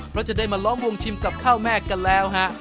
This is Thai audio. เพราะจะได้มาล้อมวงชิมกับข้าวแม่กันแล้วฮะ